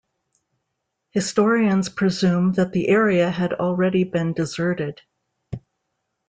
Historians presume that the area had already been deserted.